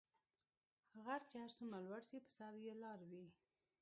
غر چی هر څومره لوړ دي په سر یي لار وي .